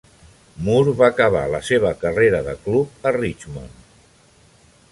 Moore va acabar la seva carrera de club a Richmond.